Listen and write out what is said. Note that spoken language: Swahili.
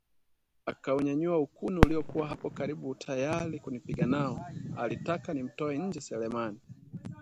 Akaunyanyua ukuni uliokuwa hapo karibu tayari kunipiga nao, alitaka nimtoe nje Selemani